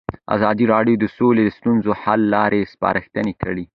ازادي راډیو د سوله د ستونزو حل لارې سپارښتنې کړي.